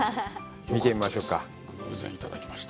見てみましょうか。